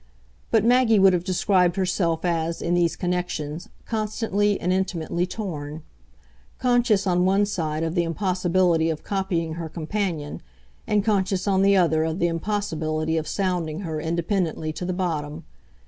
But Maggie would have described herself as, in these connections, constantly and intimately "torn"; conscious on one side of the impossibility of copying her companion and conscious on the other of the impossibility of sounding her, independently, to the bottom.